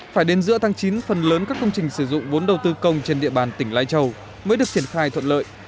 phải đến giữa tháng chín phần lớn các công trình sử dụng vốn đầu tư công trên địa bàn tỉnh lai châu mới được triển khai thuận lợi